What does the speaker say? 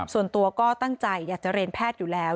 ส่วนตัวก็ตั้งใจอยากจะเรียนแพทย์อยู่แล้ว